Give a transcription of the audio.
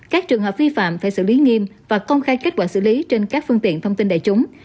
các trường hợp vi phạm phải xử lý nghiêm và công khai kết quả xử lý trên các phương tiện thông tin đại chúng